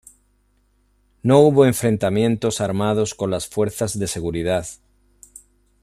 No hubo enfrentamientos armados con las fuerzas de seguridad.